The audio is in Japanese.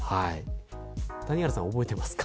谷原さん、覚えてますか。